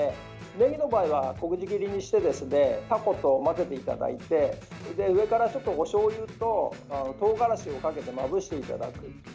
ねぎの場合は小口切りにしてタコと混ぜていただいて上からちょっとしょうゆと、とうがらしをかけてまぶしていただく。